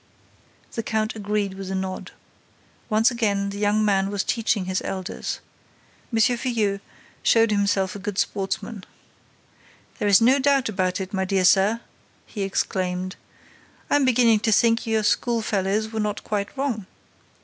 '" The count agreed with a nod. Once again, the young man was teaching his elders. M. Filleul showed himself a good sportsman. "There's no doubt about it, my dear sir," he exclaimed. "I'm beginning to think your school fellows were not quite wrong.